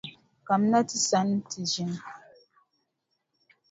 Kamina ti sani nti ʒini.